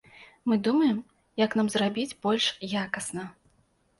Мы думаем, як нам зрабіць больш якасна.